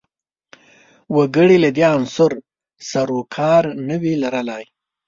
وګړي له دې عنصر سر و کار نه وي لرلای